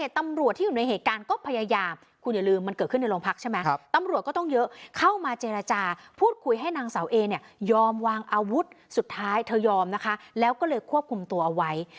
เธอยอมนะคะแล้วก็เลยควบคุมตัวเอาไว้